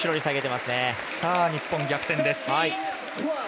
日本、逆転です。